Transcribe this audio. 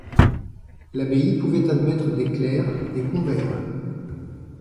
L'abbaye pouvait admettre des clercs, des convers.